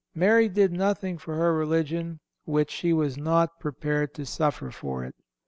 Mary ... did nothing for her religion which she was not prepared to suffer for it.